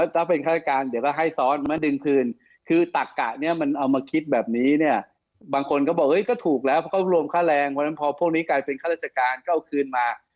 ถ้าเป็นฆาตการเดี๋ยวก็ให้ซ้อนมาดึงคืนคือตักกะเนี่ยมันเอามาคิดแบบนี้เนี่ยบางคนก็บอกเฮ้ยก็ถูกแล้วเพราะเขารวมค่าแรงเพราะฉะนั้นพอพวกนี้กลายเป็นข้าราชการก็เอาคืนมา